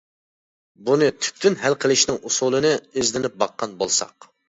بۇنى تۈپتىن ھەل قىلىشنىڭ ئۇسۇلىنى ئىزدىنىپ باققان بولساق.